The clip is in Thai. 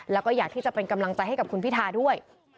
แล้วก็อยากที่จะเป็นกำลังใจให้กับคุณพิทาด้วย